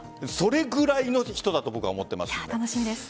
それぐらいの人だと僕は思っていますので。